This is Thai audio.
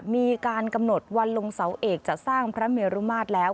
มีการกำหนดวันลงเสาเอกจะสร้างพระเมรุมาตรแล้ว